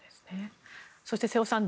そして、瀬尾さん